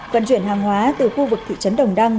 vận chuyển hàng hóa từ khu vực thị trấn đồng đăng